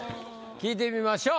聞いてみましょう。